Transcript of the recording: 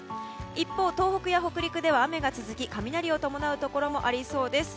一方、東北や北陸では雨が続き雷を伴うところもありそうです。